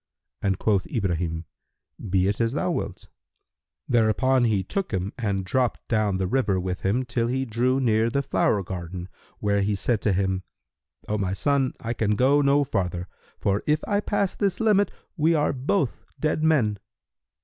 And quoth Ibrahim, "Be it as thou wilt." Thereupon he took him and dropped down the river with him till he drew near the flower garden, when he said to him, "O my son, I can go no farther; for, if I pass this limit, we are both dead men."